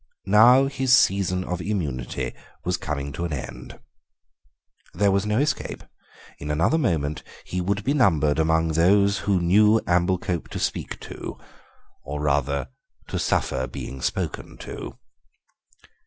Now his season of immunity was coming to an end. There was no escape; in another moment he would be numbered among those who knew Amblecope to speak to—or rather, to suffer being spoken to.